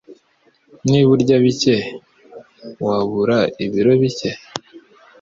Niba urya bike, wabura ibiro bike.